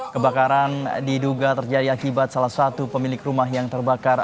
kebakaran diduga terjadi akibat salah satu pemilik rumah yang terbakar